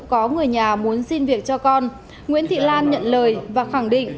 có người nhà muốn xin việc cho con nguyễn thị lan nhận lời và khẳng định